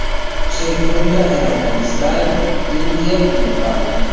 Se encuentra en Afganistán, India y Nepal.